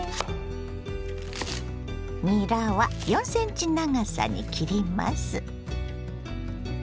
にらは４ｃｍ長さに切ります。